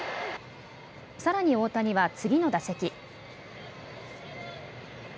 さらに大谷は次の打席。